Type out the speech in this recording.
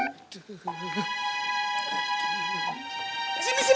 misih misih misih